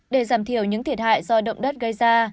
để giảm thiểu những thiệt hại do động đất gây ra